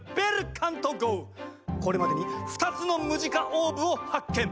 これまでに２つのムジカオーブを発見！